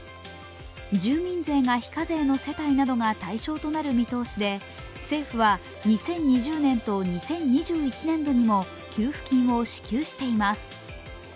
住民税が非課税の世帯などが対象となる見通しで政府は２０２０年と２０２１年度にも給付金を支給しています。